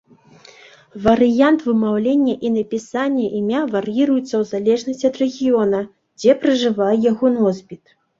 Варыянт вымаўлення і напісанні імя вар'іруецца ў залежнасці ад рэгіёна, дзе пражывае яго носьбіт.